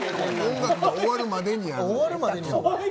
音楽が終わるまでにやる。